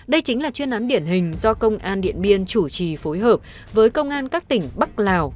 đây chính là chuyên án điển hình do công an điện biên chủ trì phối hợp với công an các tỉnh bắc lào